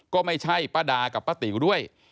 ก็ไม่ใช่ป้าดากับป้าติ๋วด้วย